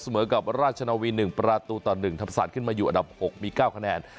กับราชนาวี๑ประตูต่อ๑ทำศาสตร์ขึ้นมาอยู่อันดับ๖มี๙คะแนน